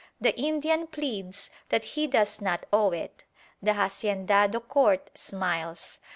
The Indian pleads that he does not owe it. The haciendado court smiles.